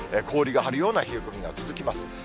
氷が張るような冷え込みが続きます。